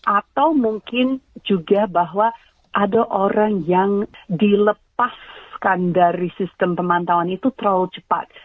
atau mungkin juga bahwa ada orang yang dilepaskan dari sistem pemantauan itu terlalu cepat